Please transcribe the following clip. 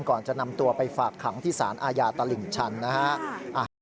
ก่อนจะนำตัวไปฝากขังที่สารอาญาตลิ่งชันนะฮะ